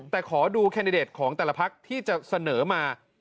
แต่ขอดูแคนดิเดตของแต่ละพักที่จะเสนอมา